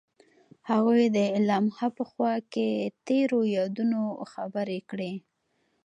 هغوی د لمحه په خوا کې تیرو یادونو خبرې کړې.